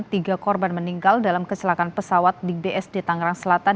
tiga korban meninggal dalam kecelakaan pesawat di bsd tangerang selatan